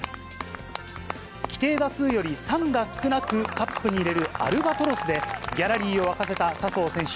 規定打数より３打少なくカップに入れるアルバトロスで、ギャラリーを沸かせた笹生選手。